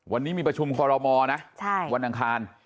วันนี้มีประชุมคอรมอนะวันอังคาร